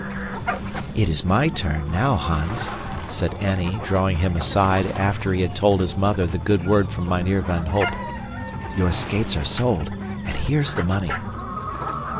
"It is my turn now, Hans," said Annie, drawing him aside after he had told his mother the good word from Mynheer van Holp. "Your skates are sold, and here's the money."